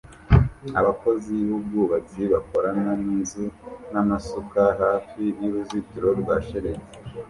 Abakozi b'ubwubatsi bakorana n'inzu n'amasuka hafi y'uruzitiro rwa shelegi